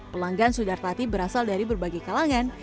pelanggan sudar tati berasal dari berbagai kalangan